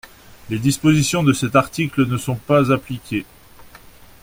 » Les dispositions de cet article ne sont pas appliquées.